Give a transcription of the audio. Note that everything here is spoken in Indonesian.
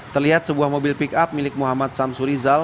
terlihat sebuah mobil pickup milik muhammad samsuri zal